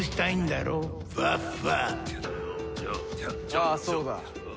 ああそうだ。